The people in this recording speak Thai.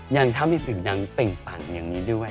ยังทำให้ผิวหนังติ่งต่างอย่างนี้ด้วย